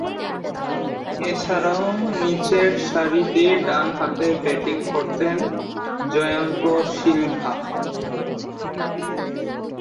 এছাড়াও, নিচেরসারিতে ডানহাতে ব্যাটিং করতেন জয়ন্ত সিলভা।